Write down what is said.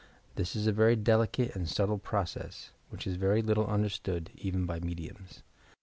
This is a very delicate and subtle process, which is very little understood, even by mediums.